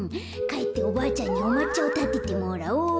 かえっておばあちゃんにおまっちゃをたててもらおっと。